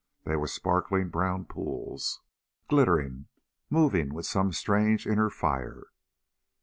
They were sparkling brown pools, glittering, moving with some strange inner fire.